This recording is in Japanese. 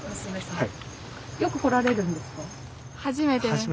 はい。